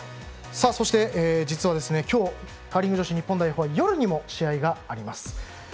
そして、実は今日カーリング女子日本代表は夜にも試合があります。